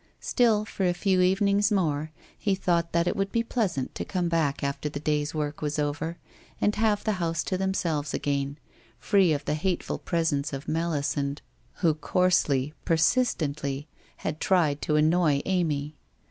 Still, for a few evenings more, he thought that it would be pleasant to come back after the day's work was over, and have the house to themselves again, free of the hateful presence of Melisande, who coarsely, persistently, had tried to annoy Amy.